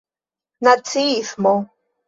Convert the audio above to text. naciismo